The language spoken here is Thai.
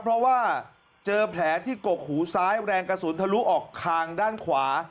เพราะว่าเจอแผลที่กกหูซ้ายแรงกระสุนทะลุออกคางด้านขวา